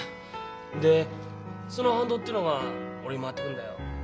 でその反動ってのが俺に回ってくるんだよ。